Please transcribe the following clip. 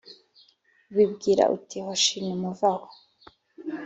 ubibwira uti «Hoshi ! Nimuve aho !»